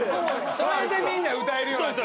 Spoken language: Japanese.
それでみんな歌えるようになる。